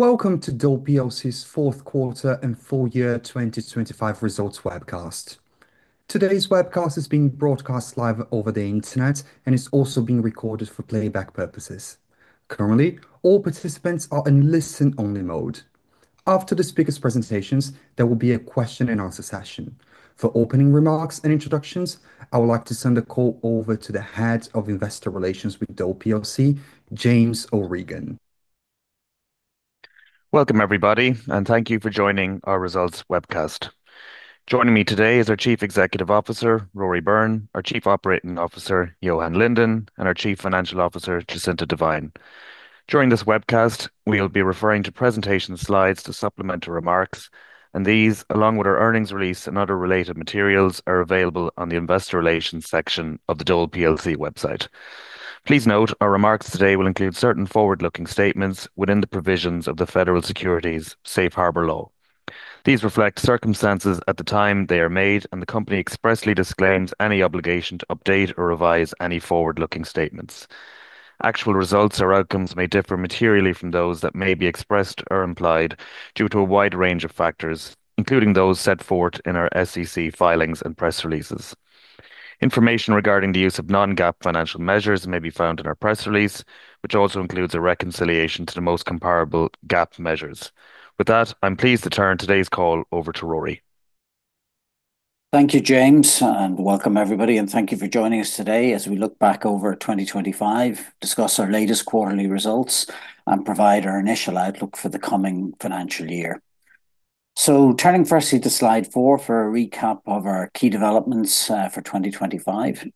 Welcome to Dole plc's fourth quarter and full year 2025 results webcast. Today's webcast is being broadcast live over the internet and is also being recorded for playback purposes. Currently, all participants are in listen-only mode. After the speakers' presentations, there will be a question and answer session. For opening remarks and introductions, I would like to send the call over to the Head of Investor Relations with Dole plc, James O'Regan. Welcome, everybody. Thank you for joining our results webcast. Joining me today is our Chief Executive Officer, Rory Byrne, our Chief Operating Officer, Johan Linden, and our Chief Financial Officer, Jacinta Devine. During this webcast, we'll be referring to presentation slides to supplement our remarks, and these, along with our earnings release and other related materials, are available on the Investor Relations section of the Dole plc website. Please note, our remarks today will include certain forward-looking statements within the provisions of the Federal Securities Safe Harbor Law. These reflect circumstances at the time they are made, and the company expressly disclaims any obligation to update or revise any forward-looking statements. Actual results or outcomes may differ materially from those that may be expressed or implied due to a wide range of factors, including those set forth in our SEC filings and press releases. Information regarding the use of non-GAAP financial measures may be found in our press release, which also includes a reconciliation to the most comparable GAAP measures. With that, I'm pleased to turn today's call over to Rory. Thank you, James, and welcome, everybody, and thank you for joining us today as we look back over 2025, discuss our latest quarterly results, and provide our initial outlook for the coming financial year. Turning firstly to Slide 4 for a recap of our key developments for 2025.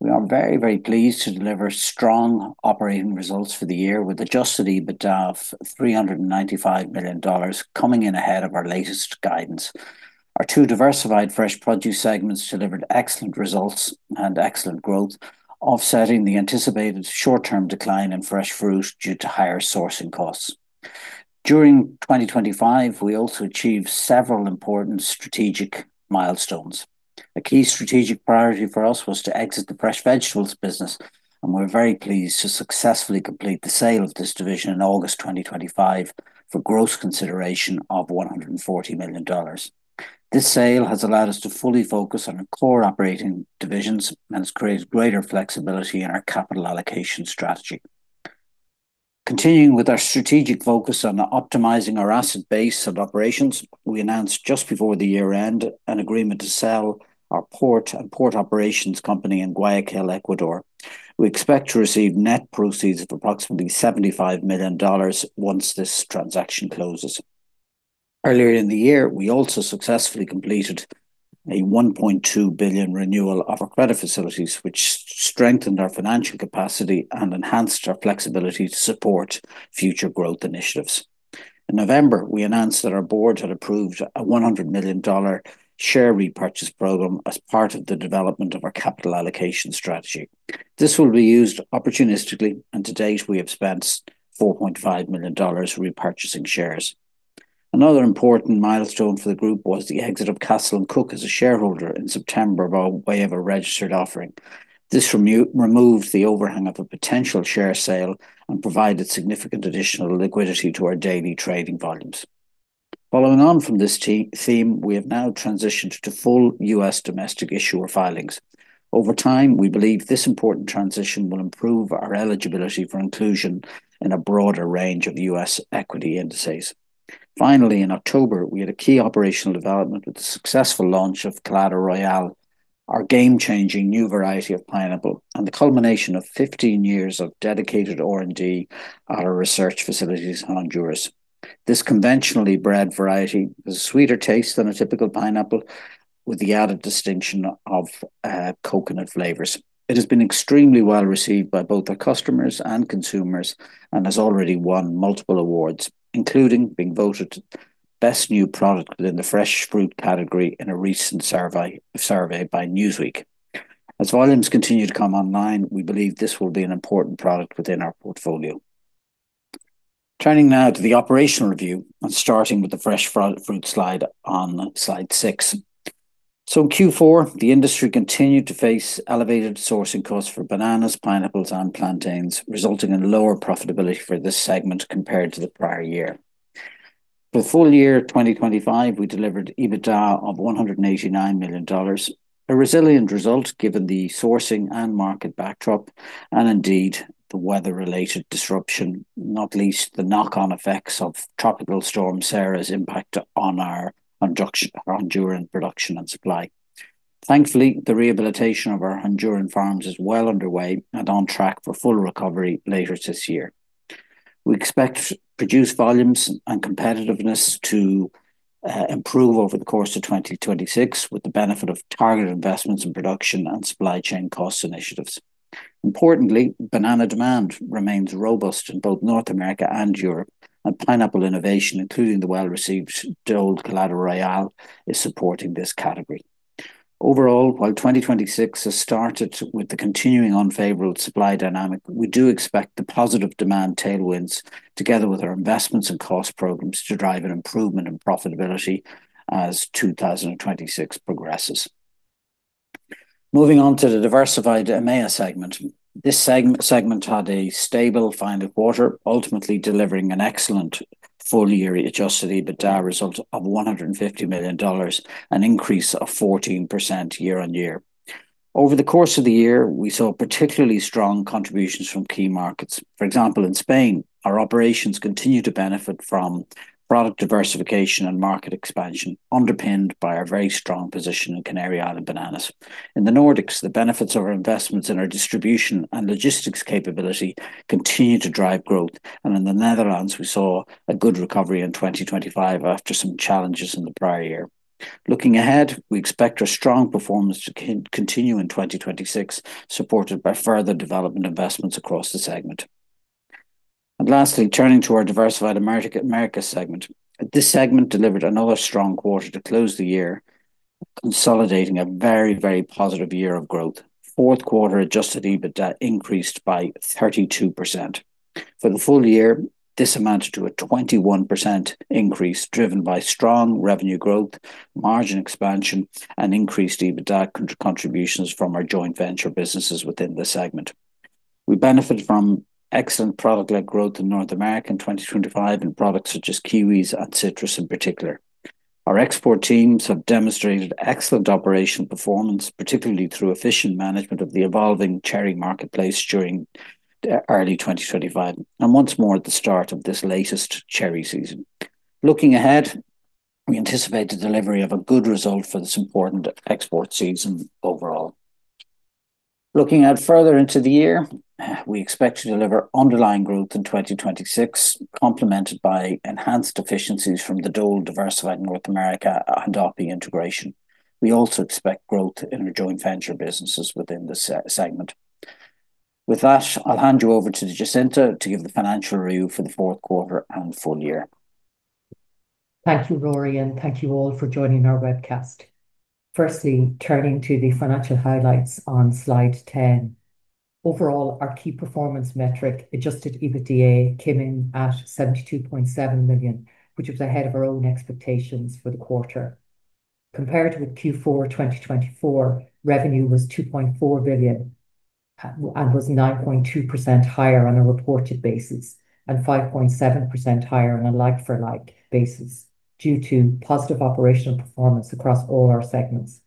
We are very pleased to deliver strong operating results for the year, with Adjusted EBITDA of $395 million coming in ahead of our latest guidance. Our 2 Diversified Fresh Produce segments delivered excellent results and excellent growth, offsetting the anticipated short-term decline in Fresh Fruit due to higher sourcing costs. During 2025, we also achieved several important strategic milestones. A key strategic priority for us was to exit the Fresh Vegetables business, and we're very pleased to successfully complete the sale of this division in August 2025 for gross consideration of $140 million. This sale has allowed us to fully focus on our core operating divisions and has created greater flexibility in our capital allocation strategy. Continuing with our strategic focus on optimizing our asset base and operations, we announced just before the year-end an agreement to sell our port and port operations company in Guayaquil, Ecuador. We expect to receive net proceeds of approximately $75 million once this transaction closes. Earlier in the year, we also successfully completed a $1.2 billion renewal of our credit facilities, which strengthened our financial capacity and enhanced our flexibility to support future growth initiatives. In November, we announced that our board had approved a $100 million share repurchase program as part of the development of our capital allocation strategy. This will be used opportunistically. To date, we have spent $4.5 million repurchasing shares. Another important milestone for the group was the exit of Castle & Cooke as a shareholder in September by way of a registered offering. This removed the overhang of a potential share sale and provided significant additional liquidity to our daily trading volumes. Following on from this theme, we have now transitioned to full U.S. domestic issuer filings. Over time, we believe this important transition will improve our eligibility for inclusion in a broader range of U.S. equity indices. Finally, in October, we had a key operational development with the successful launch of Colada Royale, our game-changing new variety of pineapple and the culmination of 15 years of dedicated R&D at our research facilities in Honduras. This conventionally bred variety has a sweeter taste than a typical pineapple, with the added distinction of coconut flavors. It has been extremely well received by both our customers and consumers and has already won multiple awards, including being voted Best New Product within the fresh fruit category in a recent survey by Newsweek. As volumes continue to come online, we believe this will be an important product within our portfolio. Turning now to the operational review and starting with the fresh fruit slide on Slide 6. In Q4, the industry continued to face elevated sourcing costs for bananas, pineapples, and plantains, resulting in lower profitability for this segment compared to the prior year. For the full year 2025, we delivered EBITDA of $189 million, a resilient result given the sourcing and market backdrop and indeed, the weather-related disruption, not least the knock-on effects of Tropical Storm Sara's impact on our Honduran production and supply. Thankfully, the rehabilitation of our Honduran farms is well underway and on track for full recovery later this year. We expect to produce volumes and competitiveness to improve over the course of 2026, with the benefit of targeted investments in production and supply chain cost initiatives. Importantly, banana demand remains robust in both North America and Europe, and pineapple innovation, including the well-received Dole Colada Royale, is supporting this category. Overall, while 2026 has started with the continuing unfavorable supply dynamic, we do expect the positive demand tailwinds, together with our investments and cost programs, to drive an improvement in profitability as 2026 progresses. Moving on to the Diversified EMEA segment. This segment had a stable final quarter, ultimately delivering an excellent full-year Adjusted EBITDA result of $150 million, an increase of 14% year-on-year. Over the course of the year, we saw particularly strong contributions from key markets. For example, in Spain, our operations continue to benefit from product diversification and market expansion, underpinned by our very strong position in Canary Island bananas. In the Nordics, the benefits of our investments in our distribution and logistics capability continue to drive growth. In the Netherlands, we saw a good recovery in 2025 after some challenges in the prior year. Looking ahead, we expect our strong performance to continue in 2026, supported by further development investments across the segment. Lastly, turning to our diversified America, Americas segment. This segment delivered another strong quarter to close the year, consolidating a very positive year of growth. Fourth quarter Adjusted EBITDA increased by 32%. For the full year, this amounted to a 21% increase, driven by strong revenue growth, margin expansion, and increased EBITDA contributions from our joint venture businesses within this segment. We benefited from excellent product-led growth in North America in 2025, in products such as kiwis and citrus in particular. Our export teams have demonstrated excellent operational performance, particularly through efficient management of the evolving cherry marketplace during the early 2025, and once more at the start of this latest cherry season. Looking ahead, we anticipate the delivery of a good result for this important export season overall. Looking out further into the year, we expect to deliver underlying growth in 2026, complemented by enhanced efficiencies from the Dole Diversified North America and Dole integration. We also expect growth in our joint venture businesses within this segment. With that, I'll hand you over to Jacinta to give the financial review for the fourth quarter and full year. Thank you, Rory, and thank you all for joining our webcast. Firstly, turning to the financial highlights on slide 10. Overall, our key performance metric, Adjusted EBITDA, came in at $72.7 million, which was ahead of our own expectations for the quarter. Compared with Q4 2024, revenue was $2.4 billion, and was 9.2% higher on a reported basis and 5.7% higher on a like-for-like basis due to positive operational performance across all our segments.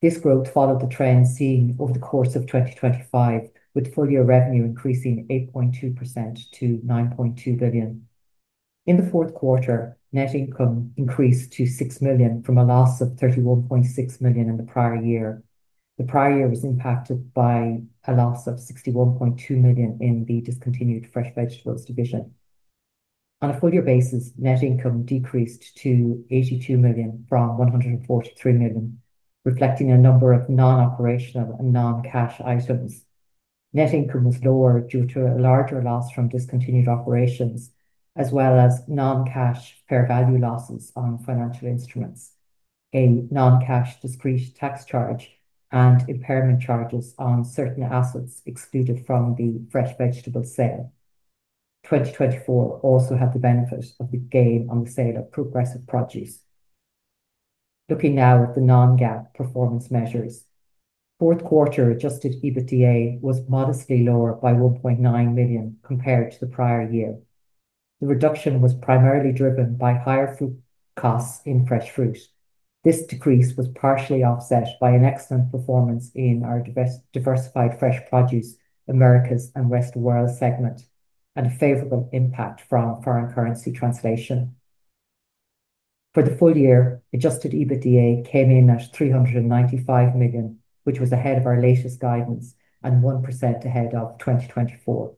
This growth followed the trend seen over the course of 2025, with full-year revenue increasing 8.2% to $9.2 billion. In the fourth quarter, net income increased to $6 million from a loss of $31.6 million in the prior year. The prior year was impacted by a loss of $61.2 million in the discontinued Fresh Vegetables division. On a full-year basis, net income decreased to $82 million from $143 million, reflecting a number of non-operational and non-cash items. Net income was lower due to a larger loss from discontinued operations, as well as non-cash fair value losses on financial instruments, a non-cash discrete tax charge, and impairment charges on certain assets excluded from the fresh vegetable sale. 2024 also had the benefit of the gain on the sale of Progressive Produce. Looking now at the non-GAAP performance measures. Fourth quarter Adjusted EBITDA was modestly lower by $1.9 million compared to the prior year. The reduction was primarily driven by higher fruit costs in Fresh Fruit. This decrease was partially offset by an excellent performance in our Diversified Fresh Produce, Americas and Rest of World segment, and a favorable impact from foreign currency translation. For the full year, Adjusted EBITDA came in at $395 million, which was ahead of our latest guidance and 1% ahead of 2024.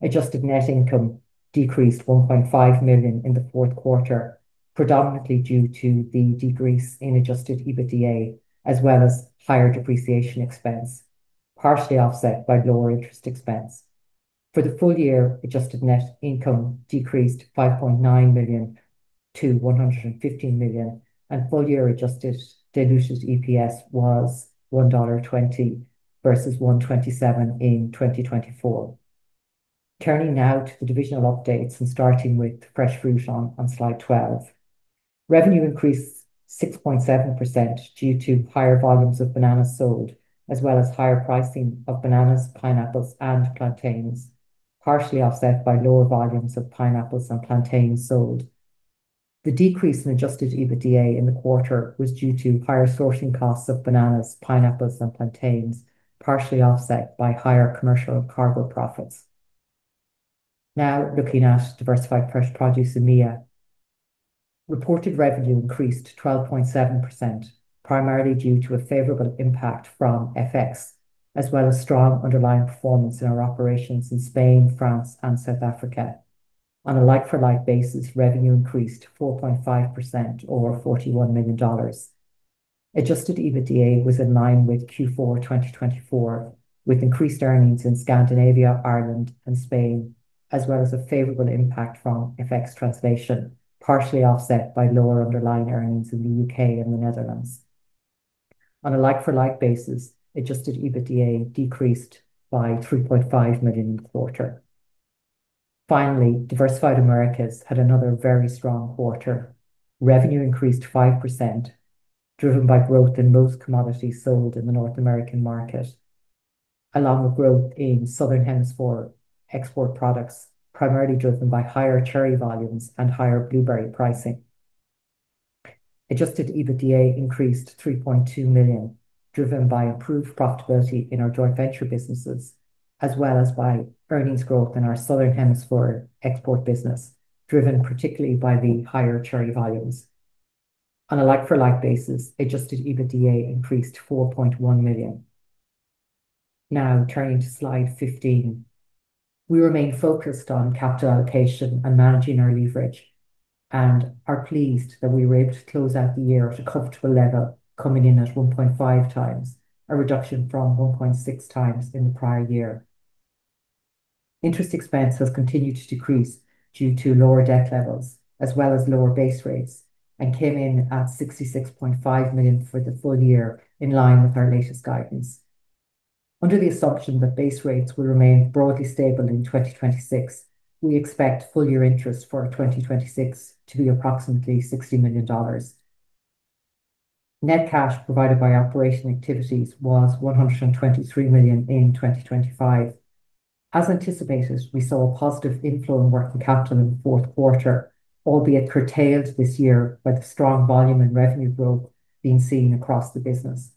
Adjusted Net Income decreased $1.5 million in the fourth quarter, predominantly due to the decrease in Adjusted EBITDA, as well as higher depreciation expense, partially offset by lower interest expense. For the full year, Adjusted Net Income decreased $5.9 million-$115 million, and full-year Adjusted Diluted EPS was $1.20 versus $1.27 in 2024. Turning now to the divisional updates and starting with Fresh Fruit on slide 12. Revenue increased 6.7% due to higher volumes of bananas sold, as well as higher pricing of bananas, pineapples, and plantains, partially offset by lower volumes of pineapples and plantains sold. The decrease in Adjusted EBITDA in the quarter was due to higher sourcing costs of bananas, pineapples, and plantains, partially offset by higher commercial cargo profits. Looking at Diversified Fresh Produce - EMEA. Reported revenue increased 12.7%, primarily due to a favorable impact from FX, as well as strong underlying performance in our operations in Spain, France, and South Africa. On a like-for-like basis, revenue increased 4.5% or $41 million. Adjusted EBITDA was in line with Q4 2024, with increased earnings in Scandinavia, Ireland, and Spain, as well as a favorable impact from FX translation, partially offset by lower underlying earnings in the U.K. and the Netherlands. On a like-for-like basis, Adjusted EBITDA decreased by $3.5 million in the quarter. Diversified Americas had another very strong quarter. Revenue increased 5%, driven by growth in most commodities sold in the North American market, along with growth in southern hemisphere export products, primarily driven by higher cherry volumes and higher blueberry pricing. Adjusted EBITDA increased to $3.2 million, driven by improved profitability in our joint venture businesses, as well as by earnings growth in our southern hemisphere export business, driven particularly by the higher cherry volumes. On a like-for-like basis, Adjusted EBITDA increased to $4.1 million. Turning to slide 15. We remain focused on capital allocation and managing our leverage, are pleased that we were able to close out the year at a comfortable level, coming in at 1.5x, a reduction from 1.6x in the prior year. Interest expense has continued to decrease due to lower debt levels, as well as lower base rates, came in at $66.5 million for the full year, in line with our latest guidance. Under the assumption that base rates will remain broadly stable in 2026, we expect full year interest for 2026 to be approximately $60 million. Net cash provided by operation activities was $123 million in 2025. As anticipated, we saw a positive inflow in working capital in the fourth quarter, albeit curtailed this year by the strong volume in revenue growth being seen across the business.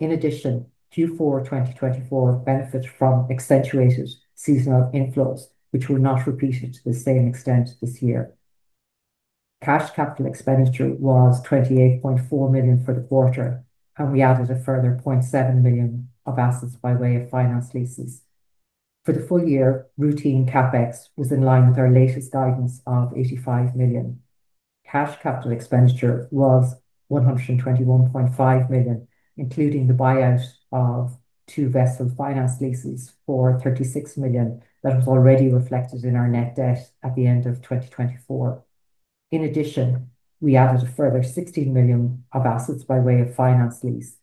Q4 2024 benefits from accentuated seasonal inflows, which were not repeated to the same extent this year. Cash capital expenditure was $28.4 million for the quarter, and we added a further $0.7 million of assets by way of finance leases. For the full year, routine CapEx was in line with our latest guidance of $85 million. Cash capital expenditure was $121.5 million, including the buyout of two vessel finance leases for $36 million that was already reflected in our net debt at the end of 2024. We added a further $16 million of assets by way of finance lease.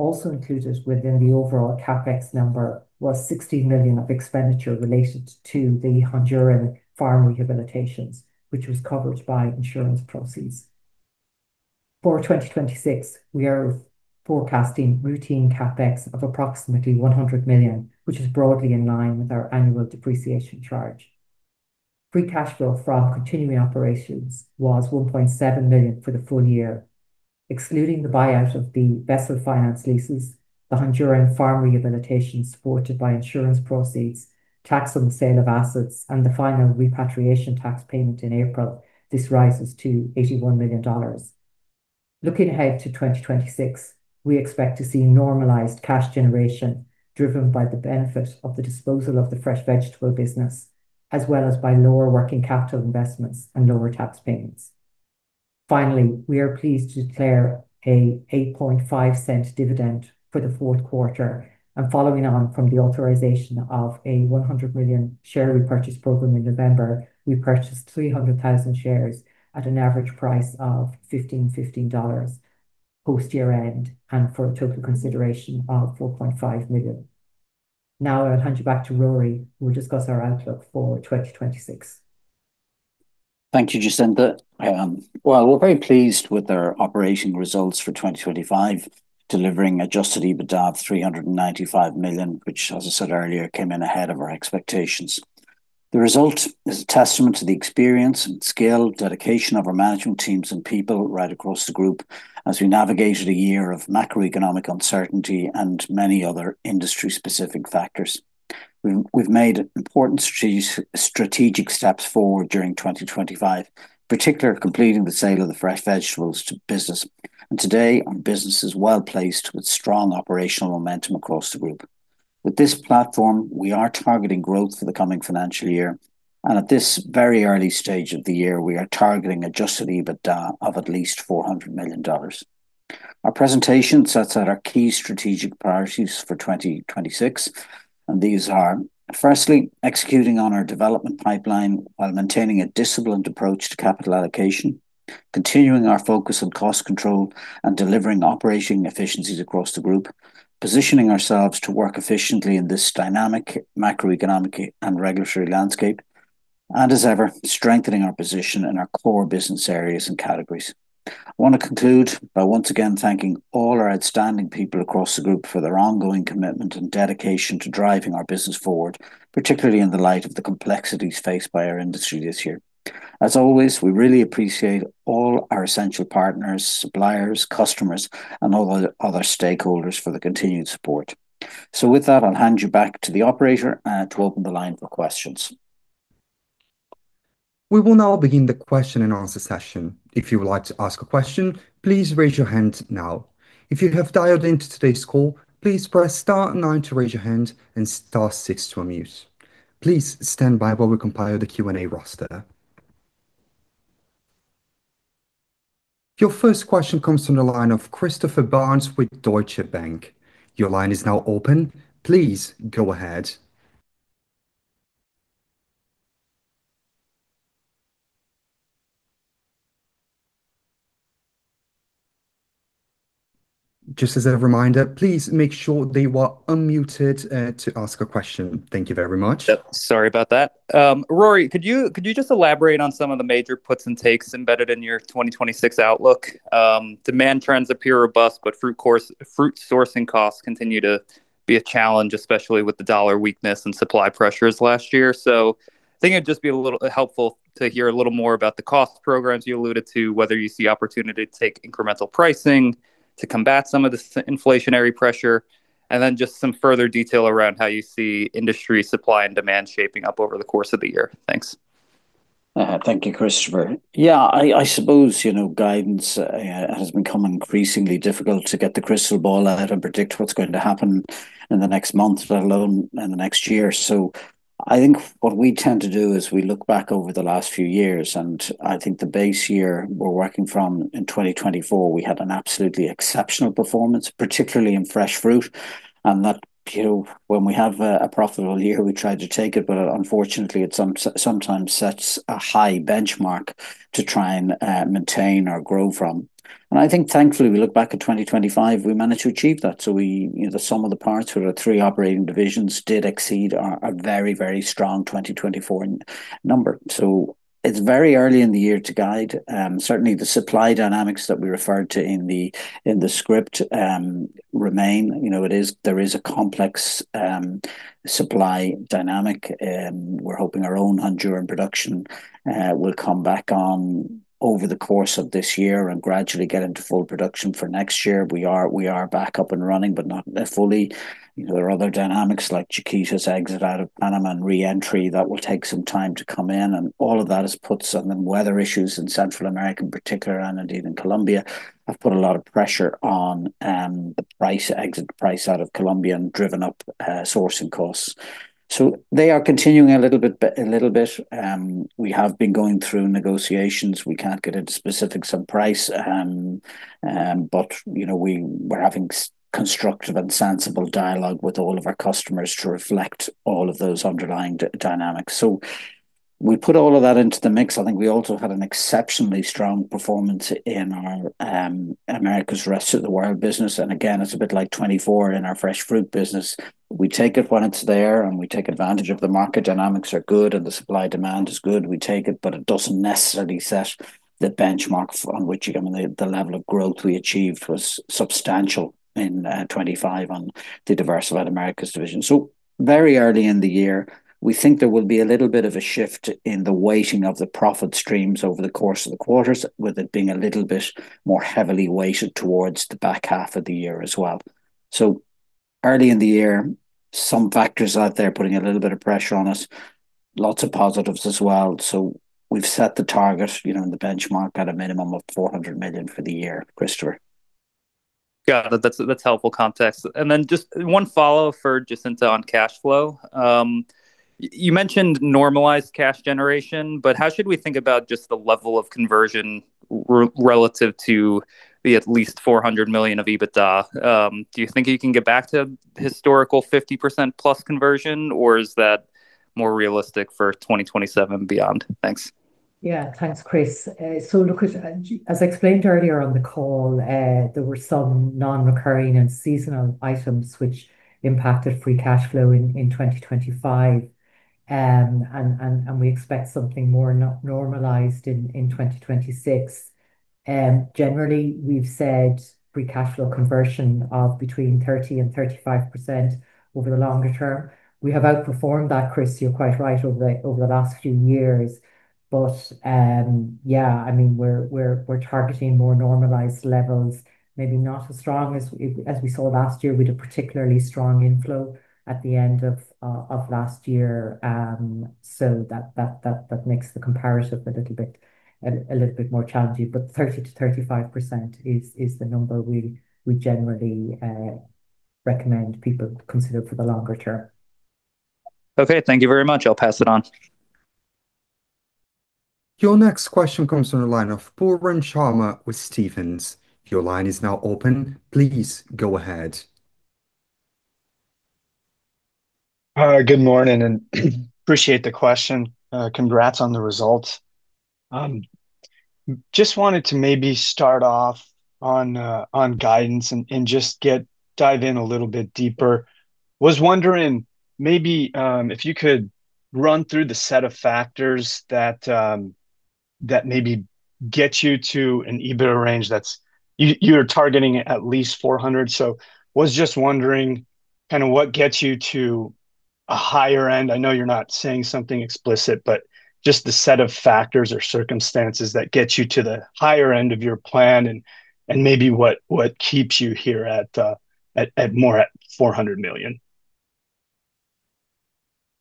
Included within the overall CapEx number was $16 million of expenditure related to the Honduran farm rehabilitations, which was covered by insurance proceeds. For 2026, we are forecasting routine CapEx of approximately $100 million, which is broadly in line with our annual depreciation charge. Free cash flow from continuing operations was $1.7 million for the full year. Excluding the buyout of the vessel finance leases, the Honduran farm rehabilitation supported by insurance proceeds, tax on the sale of assets, and the final repatriation tax payment in April, this rises to $81 million. Looking ahead to 2026, we expect to see normalized cash generation driven by the benefit of the disposal of the fresh vegetable business, as well as by lower working capital investments and lower tax payments. We are pleased to declare a $0.085 dividend for the fourth quarter. Following on from the authorization of a 100 million share repurchase program in November, we purchased 300,000 shares at an average price of $15.15 post-year end and for a total consideration of $4.5 million. Now I'll hand you back to Rory, who will discuss our outlook for 2026. Thank you, Jacinta. Well, we're very pleased with our operating results for 2025, delivering Adjusted EBITDA of $395 million, which, as I said earlier, came in ahead of our expectations. The result is a testament to the experience and skill, dedication of our management teams and people right across the group as we navigated a year of macroeconomic uncertainty and many other industry-specific factors. We've made important strategic steps forward during 2025, particularly completing the sale of the Fresh Vegetables to business. Today, our business is well-placed with strong operational momentum across the group. With this platform, we are targeting growth for the coming financial year, and at this very early stage of the year, we are targeting Adjusted EBITDA of at least $400 million. Our presentation sets out our key strategic priorities for 2026, and these are, firstly, executing on our development pipeline while maintaining a disciplined approach to capital allocation, continuing our focus on cost control, and delivering operating efficiencies across the group, positioning ourselves to work efficiently in this dynamic macroeconomic and regulatory landscape, and as ever, strengthening our position in our core business areas and categories. I want to conclude by once again thanking all our outstanding people across the group for their ongoing commitment and dedication to driving our business forward, particularly in the light of the complexities faced by our industry this year. As always, we really appreciate all our essential partners, suppliers, customers, and all the other stakeholders for their continued support. With that, I'll hand you back to the operator, to open the line for questions. We will now begin the question and answer session. If you would like to ask a question, please raise your hand now. If you have dialed in to today's call, please press star nine to raise your hand and star six to unmute. Please stand by while we compile the Q&A roster. Your 1st question comes from the line of Christopher Barnes with Deutsche Bank. Your line is now open. Please go ahead. Just as a reminder, please make sure that you are unmuted to ask a question. Thank you very much. Yep, sorry about that. Rory, could you just elaborate on some of the major puts and takes embedded in your 2026 outlook? Demand trends appear robust, but fruit sourcing costs continue to be a challenge, especially with the dollar weakness and supply pressures last year. I think it'd just be a little helpful to hear a little more about the cost programs you alluded to, whether you see opportunity to take incremental pricing to combat some of the inflationary pressure, and then just some further detail around how you see industry supply and demand shaping up over the course of the year. Thanks. Thank you, Christopher. Yeah, I suppose, you know, guidance has become increasingly difficult to get the crystal ball out and predict what's going to happen in the next month, let alone in the next year. I think what we tend to do is we look back over the last few years, and I think the base year we're working from in 2024, we had an absolutely exceptional performance, particularly in Fresh Fruit. That, you know, when we have a profitable year, we try to take it, but unfortunately, it sometimes sets a high benchmark to try and maintain or grow from. I think thankfully, we look back at 2025, we managed to achieve that. We, you know, the sum of the parts for the three operating divisions did exceed our very, very strong 2024 number. It's very early in the year to guide. Certainly, the supply dynamics that we referred to in the script remain. You know, there is a complex supply dynamic. We're hoping our own Honduran production will come back on over the course of this year and gradually get into full production for next year. We are back up and running, but not fully. You know, there are other dynamics, like Chiquita's exit out of Panama and re-entry, that will take some time to come in, and all of that has put some. Weather issues in Central America, in particular, and indeed in Colombia, have put a lot of pressure on the price, exit price out of Colombia and driven up sourcing costs. They are continuing a little bit. We have been going through negotiations. We can't get into specifics on price. But, you know, we're having constructive and sensible dialogue with all of our customers to reflect all of those underlying dynamics. We put all of that into the mix. I think we also had an exceptionally strong performance in our Americas Rest of World business. Again, it's a bit like 2024 in our Fresh Fruit business. We take it when it's there, and we take advantage of the market. Dynamics are good, and the supply-demand is good. We take it, but it doesn't necessarily set the benchmark on which, I mean, the level of growth we achieved was substantial in 2025 on the Diversified Americas Division. Very early in the year, we think there will be a little bit of a shift in the weighting of the profit streams over the course of the quarters, with it being a little bit more heavily weighted towards the back half of the year as well. Early in the year, some factors out there putting a little bit of pressure on us. Lots of positives as well. We've set the target, you know, and the benchmark at a minimum of $400 million for the year, Christopher. Got it. That's helpful context. Just one follow for Jacinta on cash flow. You mentioned normalized cash generation, but how should we think about just the level of conversion relative to the at least $400 million of EBITDA? Do you think you can get back to historical 50%+ conversion, or is that more realistic for 2027 beyond? Thanks. Yeah. Thanks, Chris. Look at, as I explained earlier on the call, there were some non-recurring and seasonal items which impacted free cash flow in 2025. We expect something more normalized in 2026. Generally, we've said free cash flow conversion of between 30% and 35% over the longer term. We have outperformed that, Chris, you're quite right, over the last few years. Yeah, I mean, we're targeting more normalized levels, maybe not as strong as we, as we saw last year, with a particularly strong inflow at the end of last year. That makes the comparison a little bit, a little bit more challenging, but 30%-35% is the number we generally recommend people consider for the longer term. Okay, thank you very much. I'll pass it on. Your next question comes from the line of Pooran Sharma with Stephens. Your line is now open. Please go ahead. Good morning, appreciate the question. Congrats on the results. Just wanted to maybe start off on guidance and dive in a little bit deeper. Was wondering maybe if you could run through the set of factors that maybe get you to an EBITDA range that's... You're targeting at least $400 million. Was just wondering kind of what gets you to a higher end. I know you're not saying something explicit, but just the set of factors or circumstances that get you to the higher end of your plan, and maybe what keeps you here at more at $400 million.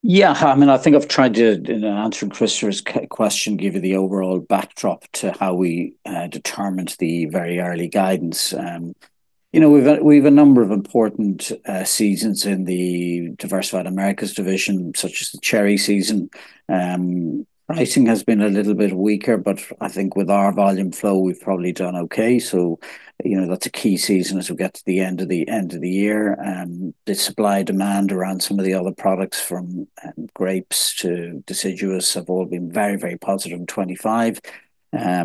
Yeah, I mean, I think I've tried to, in answering Christopher's question, give you the overall backdrop to how we determined the very early guidance... You know, we've a, we've a number of important seasons in the Diversified Americas division, such as the cherry season. Pricing has been a little bit weaker, but I think with our volume flow, we've probably done okay. You know, that's a key season as we get to the end of the, end of the year. The supply and demand around some of the other products, from grapes to deciduous, have all been very, very positive in 2025.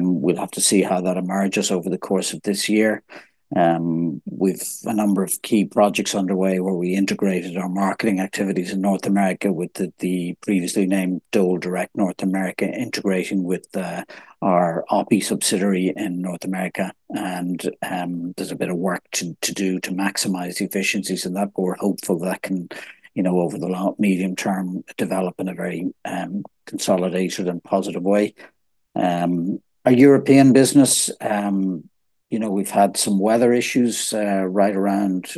We'll have to see how that emerges over the course of this year. We've a number of key projects underway where we integrated our marketing activities in North America with the previously named Dole Direct North America integration with our Oppy subsidiary in North America. There's a bit of work to do to maximize the efficiencies in that, but we're hopeful that can, you know, over the long, medium term, develop in a very consolidated and positive way. Our European business, you know, we've had some weather issues right around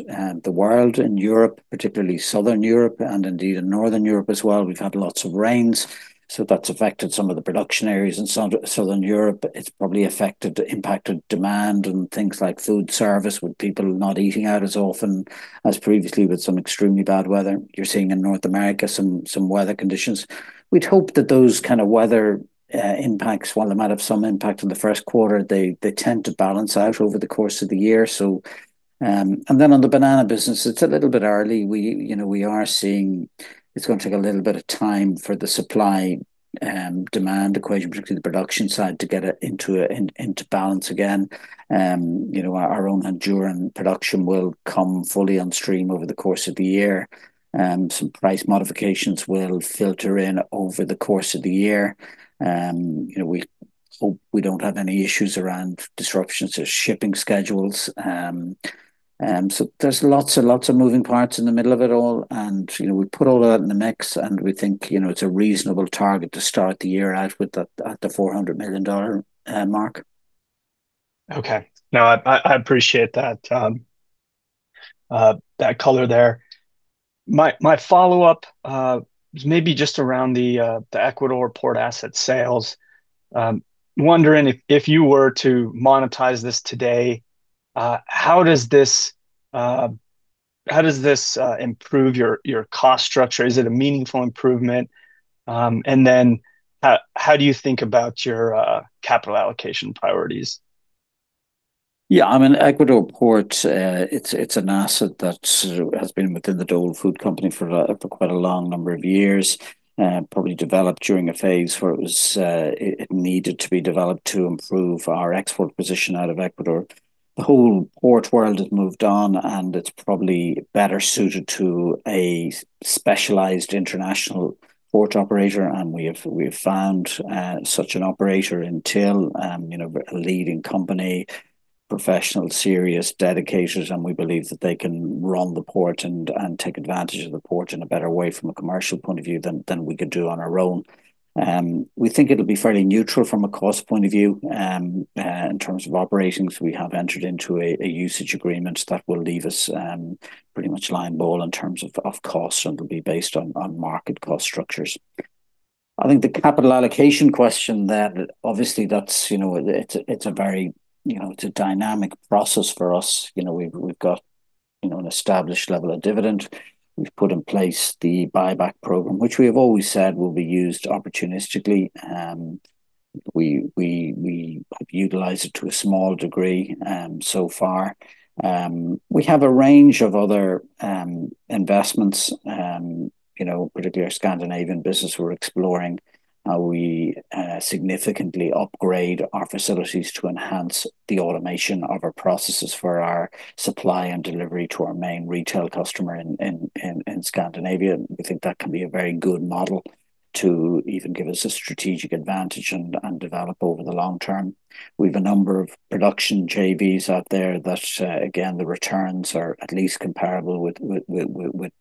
the world. In Europe, particularly Southern Europe, and indeed in Northern Europe as well, we've had lots of rains, so that's affected some of the production areas in Southern Europe. It's probably affected, impacted demand and things like food service, with people not eating out as often as previously with some extremely bad weather. You're seeing in North America some weather conditions. We'd hope that those kind of weather impacts, while they might have some impact on the first quarter, they tend to balance out over the course of the year. On the banana business, it's a little bit early. We, you know, we are seeing it's gonna take a little bit of time for the supply and demand equation, particularly the production side, to get it into balance again. You know, our own Honduran production will come fully on stream over the course of the year, and some price modifications will filter in over the course of the year. You know, we hope we don't have any issues around disruptions to shipping schedules. There's lots and lots of moving parts in the middle of it all, and, you know, we put all of that in the mix, and we think, you know, it's a reasonable target to start the year out with at the $400 million mark. Okay. No, I appreciate that color there. My follow-up is maybe just around the Ecuador port asset sales. Wondering if you were to monetize this today, how does this improve your cost structure? Is it a meaningful improvement? How do you think about your capital allocation priorities? Yeah, I mean, Ecuador port, it's an asset that has been within the Dole Food Company for quite a long number of years. Probably developed during a phase where it needed to be developed to improve our export position out of Ecuador. The whole port world has moved on, and it's probably better suited to a specialized international port operator, and we have found such an operator in TIL. You know, a leading company, professional, serious, dedicated, and we believe that they can run the port and take advantage of the port in a better way from a commercial point of view than we could do on our own. We think it'll be fairly neutral from a cost point of view. In terms of operations, we have entered into a usage agreement that will leave us pretty much line ball in terms of cost. It'll be based on market cost structures. I think the capital allocation question, obviously that's, you know, it's a very dynamic process for us. You know, we've got an established level of dividend. We've put in place the buyback program, which we have always said will be used opportunistically. We have utilized it to a small degree so far. We have a range of other investments, you know, particularly our Scandinavian business. We're exploring how we significantly upgrade our facilities to enhance the automation of our processes for our supply and delivery to our main retail customer in Scandinavia. We think that can be a very good model to even give us a strategic advantage and develop over the long term. We've a number of production JVs out there that again, the returns are at least comparable with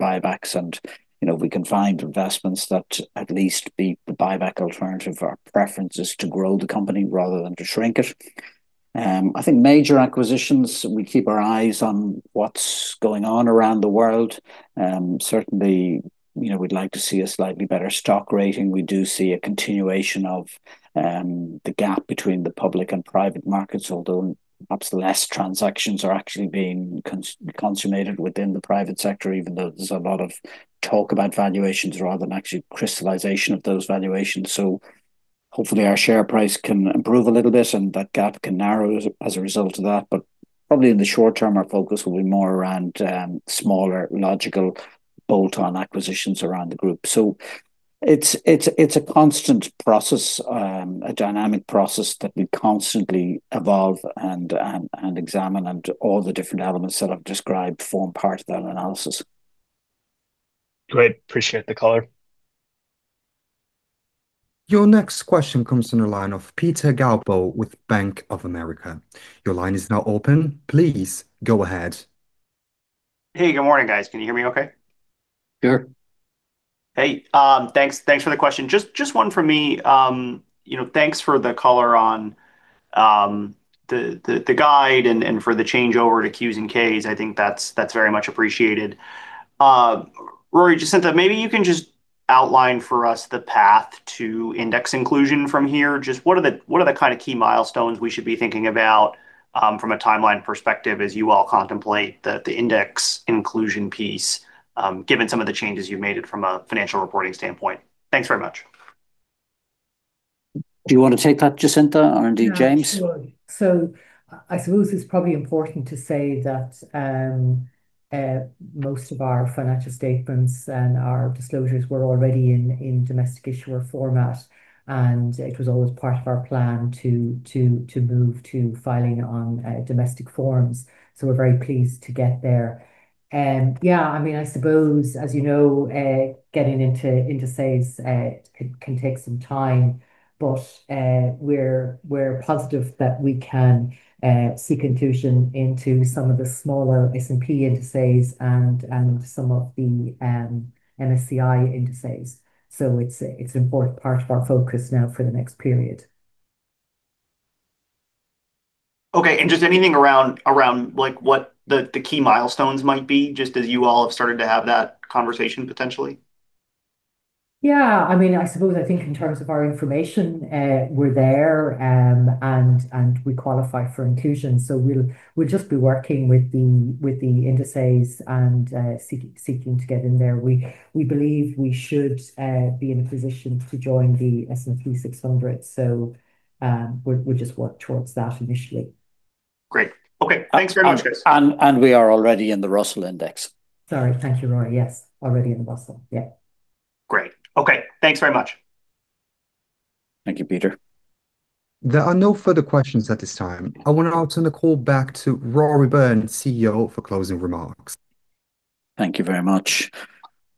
buybacks. You know, if we can find investments that at least beat the buyback alternative, our preference is to grow the company rather than to shrink it. I think major acquisitions, we keep our eyes on what's going on around the world. Certainly, you know, we'd like to see a slightly better stock rating. We do see a continuation of the gap between the public and private markets, although perhaps less transactions are actually being consummated within the private sector, even though there's a lot of talk about valuations rather than actually crystallization of those valuations. Hopefully our share price can improve a little bit, and that gap can narrow as a result of that. Probably in the short term, our focus will be more around smaller, logical, bolt-on acquisitions around the group. It's a constant process, a dynamic process that we constantly evolve and examine, and all the different elements that I've described form part of that analysis. Great. Appreciate the color. Your next question comes from the line of Peter Galbo with Bank of America. Your line is now open. Please go ahead. Hey, good morning, guys. Can you hear me okay? Sure. Hey, thanks for the question. Just one from me. You know, thanks for the color on the guide and for the changeover to Qs and Ks. I think that's very much appreciated. Rory, Jacinta, maybe you can just outline for us the path to index inclusion from here. Just what are the kind of key milestones we should be thinking about from a timeline perspective as you all contemplate the index inclusion piece, given some of the changes you've made it from a financial reporting standpoint? Thanks very much. Do you want to take that, Jacinta, or indeed James? Sure. I suppose it's probably important to say that most of our financial statements and our disclosures were already in domestic issuer format, and it was always part of our plan to move to filing on domestic forms. We're very pleased to get there. Yeah, I mean, I suppose, as you know, getting into indices, it can take some time, but we're positive that we can seek inclusion into some of the smaller S&P indices and some of the MSCI indices. It's an important part of our focus now for the next period. Just anything around, like, what the key milestones might be, just as you all have started to have that conversation, potentially? Yeah. I mean, I suppose I think in terms of our information, we're there, and we qualify for inclusion. We'll just be working with the indices and seeking to get in there. We believe we should be in a position to join the S&P 600. We'll just work towards that initially. Great. Okay. Thanks very much, guys. We are already in the Russell Index. Sorry. Thank you, Rory. Yes, already in the Russell. Yeah. Great. Okay, thanks very much. Thank you, Peter. There are no further questions at this time. I want to now turn the call back to Rory Byrne, CEO, for closing remarks. Thank you very much.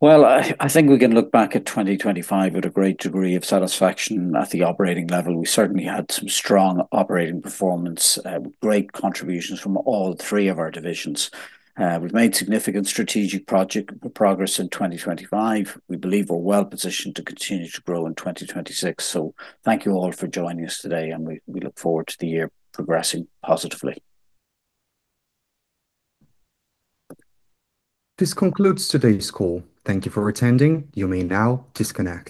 Well, I think we can look back at 2025 with a great degree of satisfaction at the operating level. We certainly had some strong operating performance, great contributions from all three of our divisions. We've made significant strategic project progress in 2025. We believe we're well positioned to continue to grow in 2026. Thank you all for joining us today, and we look forward to the year progressing positively. This concludes today's call. Thank you for attending. You may now disconnect.